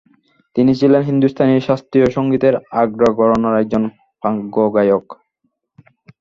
তিনি ছিলেন হিন্দুস্তানি শাস্ত্রীয় সঙ্গীতের আগ্রা ঘরানার একজন প্রাজ্ঞ গায়ক।